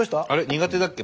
苦手だっけ？